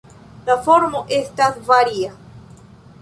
La formo estas varia.